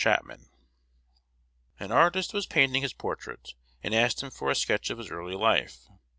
Chapman. An artist was painting his portrait, and asked him for a sketch of his early life.